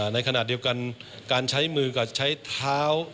ในขณะเดียวกันการใช้มือกับใช้เท้า